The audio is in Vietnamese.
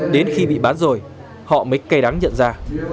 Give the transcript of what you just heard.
đến khi bị bán rồi họ mới cay đắng nhận ra